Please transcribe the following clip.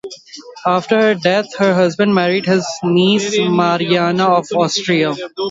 After her death, her husband married his niece Mariana of Austria.